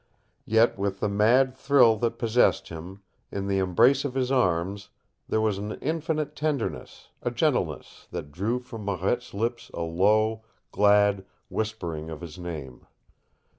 Yet with the mad thrill that possessed him, in the embrace of his arms, there was an infinite tenderness, a gentleness, that drew from Marette's lips a low, glad whispering of his name.